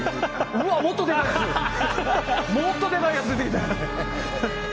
うわっ、もっとでかいやつ出てきた！